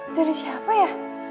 dari siapa ya